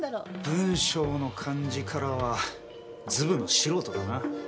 文章の感じからはずぶの素人だな。